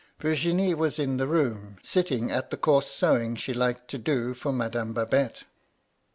Virginie was in the room, sitting at the coarse sewing she liked to do for Madame Babette.